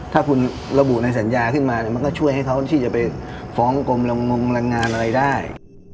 ถ้าคุณระบุในสัญญาขึ้นมามันก็ช่วยให้เขาที่จะไปฟ้องกรมงลังงานอะไรได้